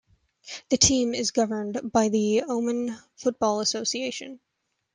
The team is governed by the Oman Football Association.